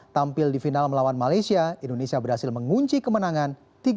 tampil di final melawan malaysia indonesia berhasil mengunci kemenangan tiga